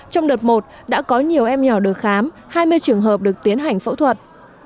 trong đợt một đã có nhiều em nhỏ được khám hai mươi trường hợp được tiến hành phẫu thuật